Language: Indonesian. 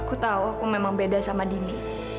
aku tahu aku memang beda sama dini